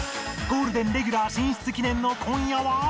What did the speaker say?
ゴールデンレギュラー進出記念の今夜は